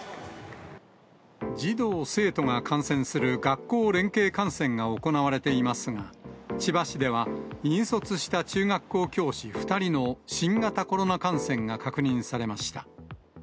児童・生徒が観戦する学校連携観戦が行われていますが、千葉市では引率した中学校教師２人の新型コロナ感染が確認されました。